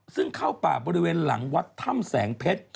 ซึ่งเข้าป่าบริเวณหลังวัดถ้ำแสงเพชร